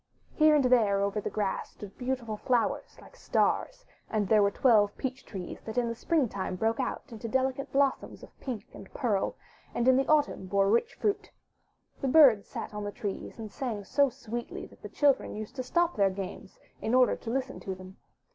Here and there over the grass stood beautiful flowers like stars, and there were twelve peach trees that in the spring time broke out into delicate blossoms of pink and pearl, and in the autumn bore rich fruit. The birds sat on the trees and sang so sweetly that the children used to stop their games in order to listen to them.